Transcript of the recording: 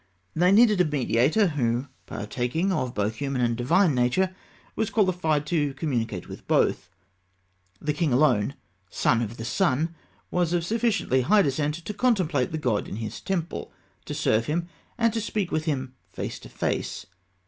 They needed a mediator, who, partaking of both human and divine nature, was qualified to communicate with both. The king alone, Son of the Sun, was of sufficiently high descent to contemplate the god in his temple, to serve him, and to speak with him face to face.